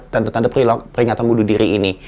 tanda tanda peringatan bunuh diri ini